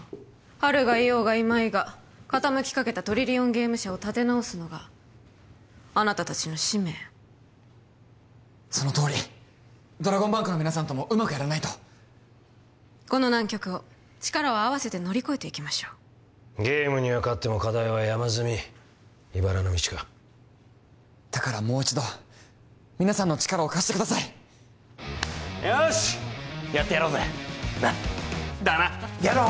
ハルがいようがいまいが傾きかけたトリリオンゲーム社を立て直すのがあなた達の使命そのとおりドラゴンバンクの皆さんともうまくやらないとこの難局を力を合わせて乗り越えていきましょうゲームには勝っても課題は山積みいばらの道かだからもう一度皆さんの力を貸してくださいよしやってやろうぜなっだなやろう！